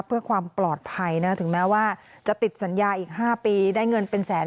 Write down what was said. เพื่อความปลอดภัยนะถึงแม้ว่าจะติดสัญญาอีก๕ปีได้เงินเป็นแสน